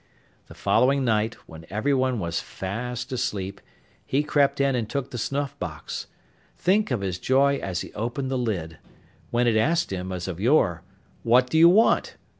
The following night, when everyone was fast asleep, he crept in and took the snuff box. Think of his joy as he opened the lid! When it asked him, as of yore, 'What do you want?